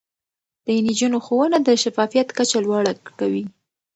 د نجونو ښوونه د شفافيت کچه لوړه کوي.